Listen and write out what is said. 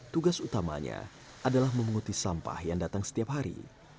tugas utamanya adalah memunguti sampah yang datang setiap hari